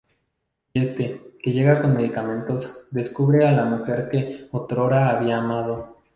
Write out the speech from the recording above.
Y este, que llega con medicamentos, descubre a la mujer que otrora había amado.